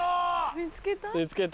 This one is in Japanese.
見つけた？